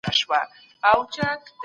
هغه وویل چي هلمند د هېواد د ننګ نښه ده.